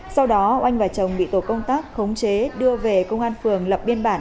sau đó oanh và chồng bị tổ công tác khống chế đưa về công an phường lập biên bản